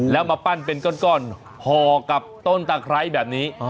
แล้วมาปั้นเป็นก้อนห่อกับต้นตะไคร้แบบนี้